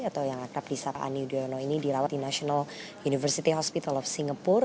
atau yang akrab di sapa ani yudhoyono ini dirawat di national university hospital of singapore